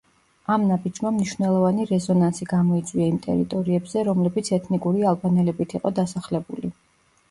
ამ ნაბიჯმა მნიშვნელოვანი რეზონანსი გამოიწვია იმ ტერიტორიებზე, რომლებიც ეთნიკური ალბანელებით იყო დასახლებული.